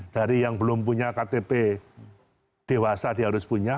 dari yang belum punya ktp dewasa dia harus punya